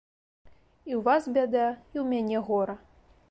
І ў вас бяда, і ў мяне гора.